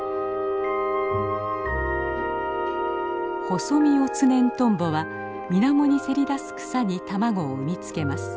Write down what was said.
ホソミオツネントンボは水面にせり出す草に卵を産みつけます。